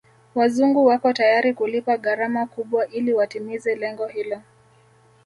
Wazungu wako tayari kulipa gharama kubwa ili watimize lengo hilo